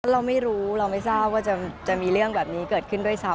เราไม่รู้เราไม่ทราบว่าจะมีเรื่องแบบนี้เกิดขึ้นด้วยซ้ำ